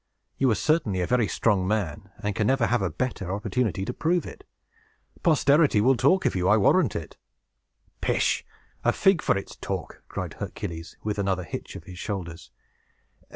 You are certainly a very strong man, and can never have a better opportunity to prove it. Posterity will talk of you, I warrant it!" "Pish! a fig for its talk!" cried Hercules, with another hitch of his shoulders.